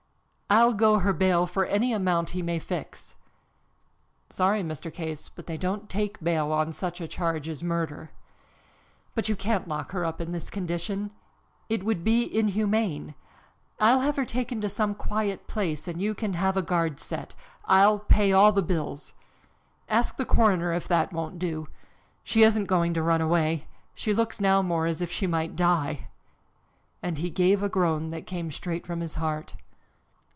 I'll go her ball for any amount he may fix." "Sorry, Mr. Case, but they don't take bail on such a charge as murder." "But you can't lock her up in this condition it would be inhuman. I'll have her taken to some quiet place and you can have a guard set I'll pay all the bills. Ask the coroner if that won't do. She isn't going to run away. She looks now more as if she might die!" and he gave a groan that came straight from his heart.